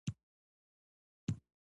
څرګند ځواب به یې دا وي.